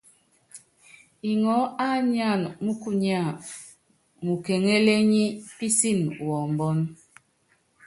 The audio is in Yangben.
Iŋɔɔ́ á nyáan múkkunya múkéŋelenyé písin wɔɔbɔ́n.